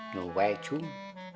tidak ada cara